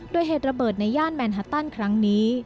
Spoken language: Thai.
โดยเหตุระเบิดในย่านแมนฮาตันครั้งนี้